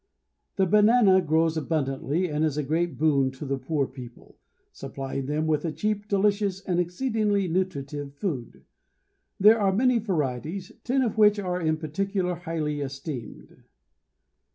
The banana grows abundantly and is a great boon to the poor people, supplying them with a cheap, delicious, and exceedingly nutritive food; there are many varieties, ten of which are in particular highly esteemed.